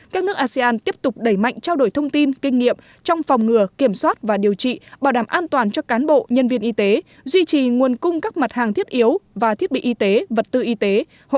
các nước asean tiếp tục đẩy mạnh trao đổi thông tin kinh nghiệm trong phòng ngừa kiểm soát và điều trị bảo đảm an toàn cho cán bộ nhân viên y tế duy trì nguồn cung các mặt hàng thiết yếu và thiết bị y tế vật tư y tế